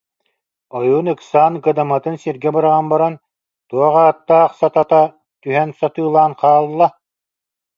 Ойуун ыксаан кыдаматын сиргэ быраҕан баран: «Туох ааттаах сатата түһэн сатыылаан хаалла